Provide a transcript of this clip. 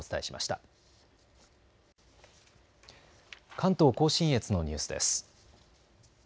関東甲信越のニュースです。